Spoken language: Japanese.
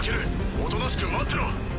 おとなしく待ってろ。